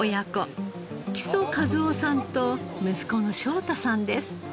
木曽一男さんと息子の翔太さんです。